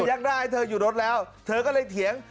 เออพยักหน้าให้เธอหยุดรถแล้วเธอก็เลยเถียง